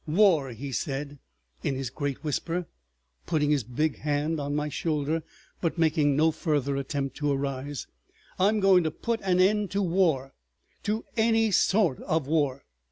"War," he said in his great whisper, putting his big hand on my shoulder but making no further attempt to arise, "I'm going to put an end to war—to any sort of war!